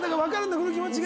この気持ちが。